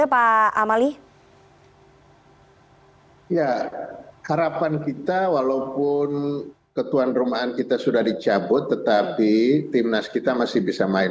pak amali ya harapan kita walaupun ketuan rumahan kita sudah dicabut tetapi timnas kita masih bisa main